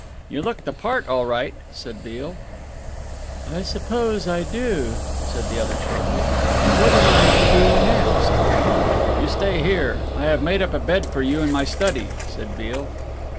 "You look the part all right," said Beale. "I suppose I do," said the other shortly; "what am I to do next?" "You stay here. I have made up a bed for you in my study," said Beale.